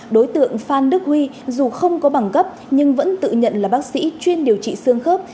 đối tượng phan đức huy dù không có bằng cấp nhưng vẫn tự nhận là bác sĩ chuyên điều trị xương khớp